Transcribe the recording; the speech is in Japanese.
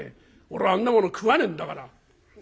俺あんなもの食わねえんだから。